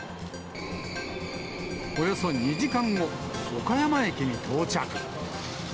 およそ２時間後、岡山駅に到着。